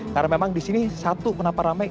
karena memang di sini satu kenapa ramai